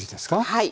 はい。